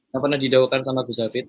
yang pernah dibawah ini sama bukhari